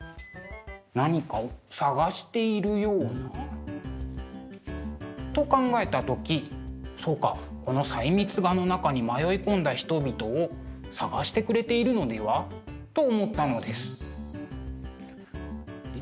何かを探しているような。と考えた時「そうかこの細密画の中に迷い込んだ人々を捜してくれているのでは？」と思ったのです。